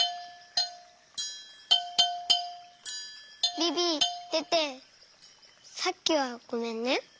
ビビテテさっきはごめんね。